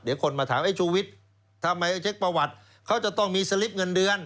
เดี๋ยวคนมาถามไอ้ชูวิทย์ทำไมเช็คประวัติเขาจะต้องมีสลิปเงินเดือน